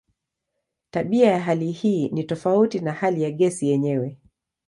Tabia ya hali hii ni tofauti na hali ya gesi yenyewe.